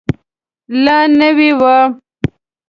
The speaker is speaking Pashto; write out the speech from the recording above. لا نوی و.